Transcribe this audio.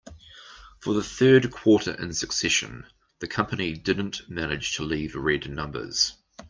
For the third quarter in succession, the company didn't manage to leave red numbers.